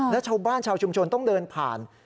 และชาวบ้านชาวชุมชนต้องเดินผ่าน